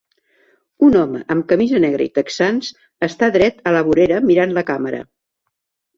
Un home amb camisa negra i texans està dret a la vorera mirant la càmera.